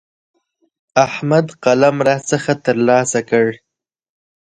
احمد قلم راڅخه تر لاسه کړ.